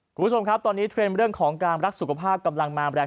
คุณผู้ชมครับตอนนี้เทรนด์เรื่องของการรักสุขภาพกำลังมาแรง